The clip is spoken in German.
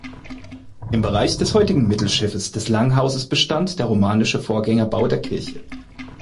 Im Bereich des heutigen Mittelschiffes des Langhauses bestand der romanische Vorgängerbau der Kirche.